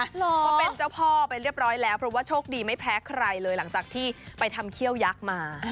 เพราะเป็นเจ้าพ่อไปเรียบร้อยแล้วเพราะว่าโชคดีไม่แพ้ใครเลยหลังจากที่ไปทำเขี้ยวยักษ์มา